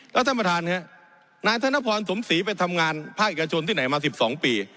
แล้วท่านประธานครับนายธนพรสมศรีไปทำงานภาคเอกชนที่ไหนมา๑๒ปี